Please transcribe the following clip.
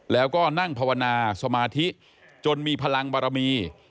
แล้วก็นั่งภาวนาสมาธิจนมีพลังบารมี